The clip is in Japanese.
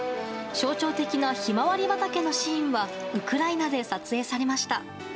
象徴的なヒマワリ畑のシーンはウクライナで撮影されました。